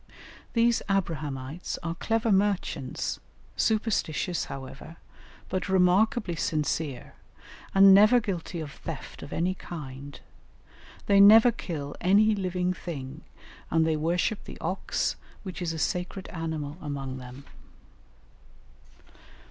These "Abrahamites" are clever merchants, superstitious, however, but remarkably sincere, and never guilty of theft of any kind; they never kill any living thing, and they worship the ox, which is a sacred animal among them.